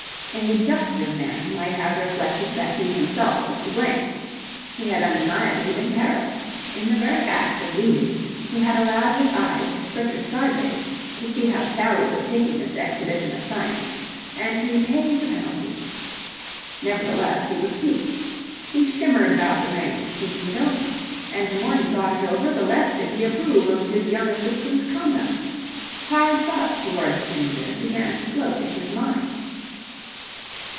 A juster man might have reflected that he himself was to blame. He had undeniably been careless. In the very act of leading he had allowed his eyes to flicker sideways to see how Sally was taking this exhibition of science, and he had paid the penalty. Nevertheless, he was piqued. He shimmered about the ring, thinking it over. And the more he thought it over, the less did he approve of his young assistant's conduct. Hard thoughts towards Ginger began to float in his mind.